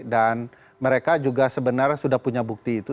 mereka juga sebenarnya sudah punya bukti itu